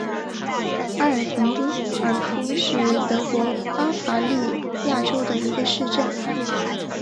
阿尔滕多尔夫是德国巴伐利亚州的一个市镇。